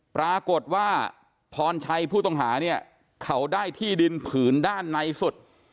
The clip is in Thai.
ปรากฏว่าพรชัยผู้ต้องหาเนี่ยเขาได้ที่ดินผืนด้านในสุด